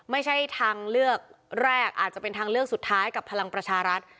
ไม่ใช่ทางเลือกแรกอาจจะเป็นทางเลือกสุดท้ายกับพลังประชารัฐ